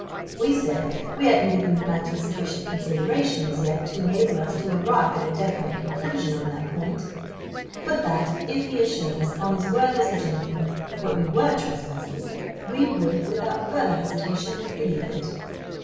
We said we hadn't given the matter sufficient consideration as yet to enable us to arrive at a definite conclusion on that point, but that, if he assured us on his word as a gentleman that we were trespassing, we would, without further hesitation, believe it.